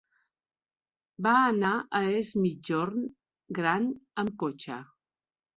Va anar a Es Migjorn Gran amb cotxe.